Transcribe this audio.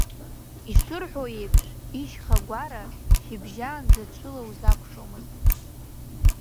Ишырҳәо еиԥш, ишьхагәара шьыбжьаанӡа ҽыла узақәшомызт.